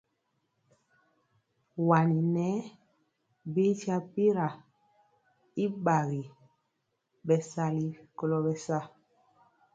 Wani nɛ bi tyapira y gbagi bɛ sali kolo bɛsa.